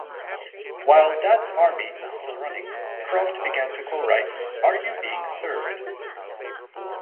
While "Dad's Army" was still running, Croft began to co-write "Are You Being Served?